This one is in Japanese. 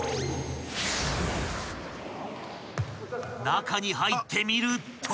［中に入ってみると］